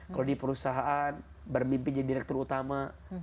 kalau di perusahaan bermimpi jadi direktur utama